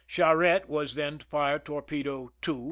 Charette was then to fire torpedo No.